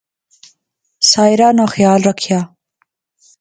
ساحرہ ناں خیال رکھیا